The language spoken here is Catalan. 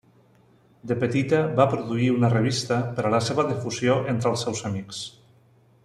De petita va produir una revista per a la seva difusió entre els seus amics.